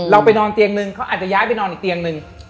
ไปนอนเตียงนึงเขาอาจจะย้ายไปนอนอีกเตียงหนึ่ง